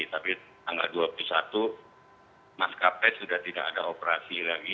tapi tanggal dua puluh satu maskapai sudah tidak ada operasi lagi